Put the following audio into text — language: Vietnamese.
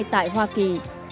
tại hoa kỳ